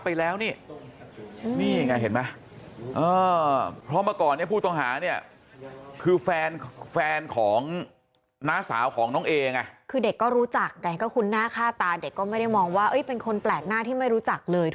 คือไปถึงโรงเรียนเนี่ย